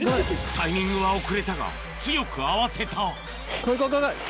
タイミングは遅れたが強く合わせたこいこいこいこい！